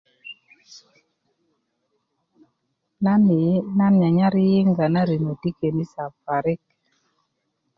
nan yeye nan nyanyar yiyinga na rino ti kenisa parik